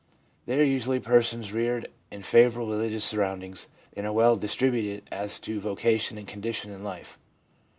they are usually persons reared in favourable religious surround ings, and are well distributed as to vocation and condition in life.